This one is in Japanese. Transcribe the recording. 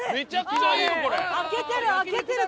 開けてる開けてる！